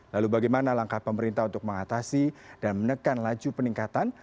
lalu bagaimana langkah pemerintah untuk mengatasi dan menekan laju peningkatan